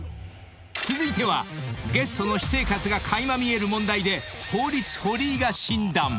［続いてはゲストの私生活が垣間見える問題で法律堀井が診断］